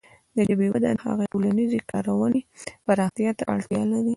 د ژبې وده د هغې د ټولنیزې کارونې پراختیا ته اړتیا لري.